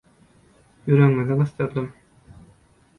ýüregiňizi gysdyrdym.